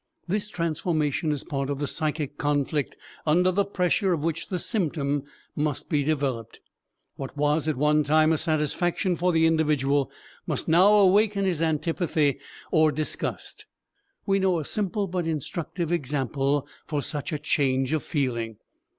This transformation is part of the psychic conflict under the pressure of which the symptom must be developed. What was at one time a satisfaction for the individual must now awaken his antipathy or disgust. We know a simple but instructive example for such a change of feeling.